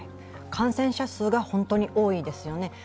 感染者数が本当に多いですよね。